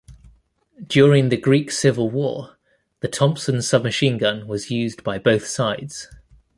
During the Greek Civil War, the Thompson submachine gun was used by both sides.